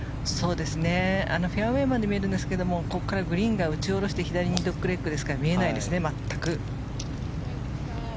フェアウェーまで見えるんですがここからグリーンが打ち下ろして左ドッグレッグですから見えないですね、全く。